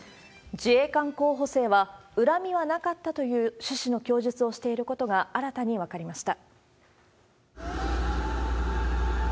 自衛官候補生は、恨みはなかったという趣旨の供述をしていることが新たに分かりました。